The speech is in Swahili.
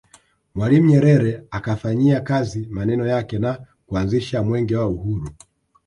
Mwalimu Nyerere akayafanyia kazi maneno yake na kuanzisha Mwenge wa Uhuru